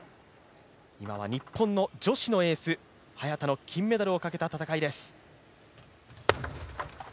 今は日本の女子のエース、早田の金メダルをかけた戦いです。